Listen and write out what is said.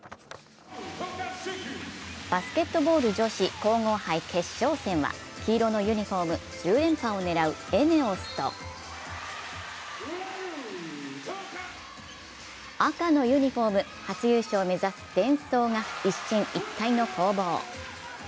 バスケットボール女子・皇后杯決勝戦は黄色のユニフォーム、１０連覇を狙うＥＮＥＯＳと、赤のユニフォーム、初優勝を目指すデンソーが一進一退の攻防。